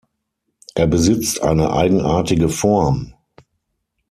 Er besitzt eine eigenartige Form.